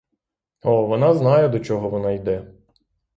О, вона знає, до чого вона йде!